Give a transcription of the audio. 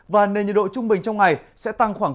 và nền nhiệt độ trung bình trong ngày sẽ tăng khoảng